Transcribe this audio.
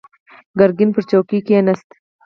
ګرګين پر څوکۍ کېناست.